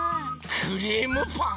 クリームパン。